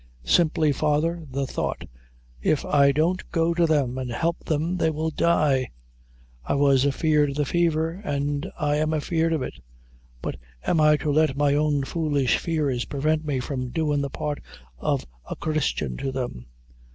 "Simply, father, the thought if I don't go to them and help them, they will die. I was afeard of the fever, and I am afeard of it but am I to let my own foolish fears prevent me from doin' the part of a Christian to them?